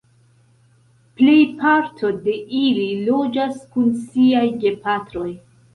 Plejparto de ili loĝas kun siaj gepatroj.